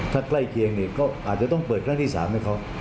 ถ้าใกล้เคียงก็อาจจะต้องเปิดครั้งที่๓นะครับ